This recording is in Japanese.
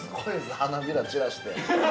花びら散らして。